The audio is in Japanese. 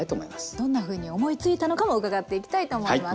どんなふうに思いついたのかも伺っていきたいと思います。